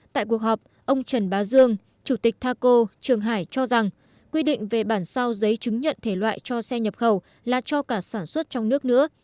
tại cuộc họp ông trần bá dương chủ tịch taco trường hải cho rằng quy định về bản sao giấy chứng nhận thể loại cho xe nhập khẩu là cho cả sản xuất trong nước nữa